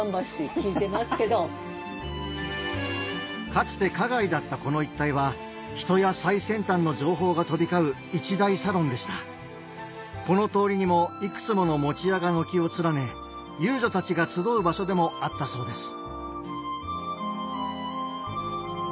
かつて花街だったこの一帯は人や最先端の情報が飛び交う一大サロンでしたこの通りにも幾つもの餅屋が軒を連ね遊女たちが集う場所でもあったそうです